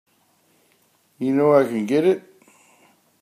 You know where I can get it?